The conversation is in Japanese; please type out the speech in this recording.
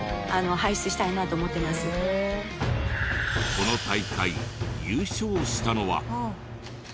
この大会優勝したのは。